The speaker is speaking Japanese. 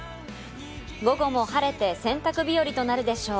午後も晴れて洗濯日和となるでしょう。